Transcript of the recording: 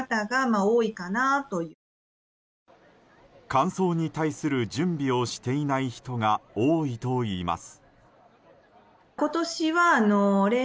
乾燥に対する準備をしていない人が多いといいます。